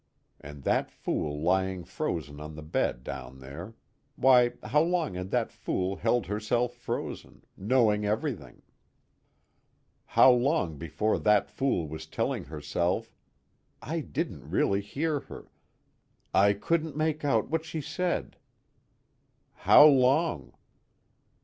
And that fool lying frozen on the bed down there why, how long had that fool held herself frozen, knowing everything? How long before that fool was telling herself: I didn't really hear her, I couldn't make out what she said how long?